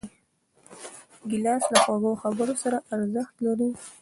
ګیلاس له خوږو خبرو سره ارزښت لري.